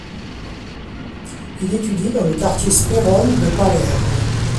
Il étudie dans le quartier Sperone de Palerme.